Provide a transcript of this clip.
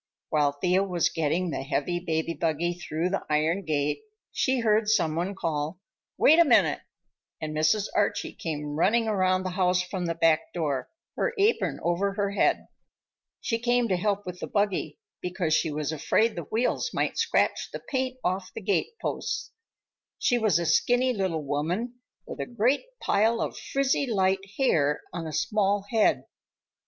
While Thea was getting the heavy baby buggy through the iron gate she heard some one call, "Wait a minute!" and Mrs. Archie came running around the house from the back door, her apron over her head. She came to help with the buggy, because she was afraid the wheels might scratch the paint off the gateposts. She was a skinny little woman with a great pile of frizzy light hair on a small head.